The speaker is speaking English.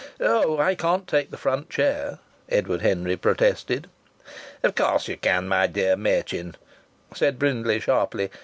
"Oh! I can't take the front chair!" Edward Henry protested. "Of course you can, my dear Machin!" said Brindley, sharply.